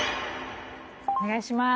お願いします。